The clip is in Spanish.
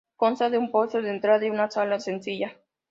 Consta de un pozo de entrada y una sala sencilla.